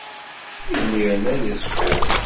Imiren ad iṣfu.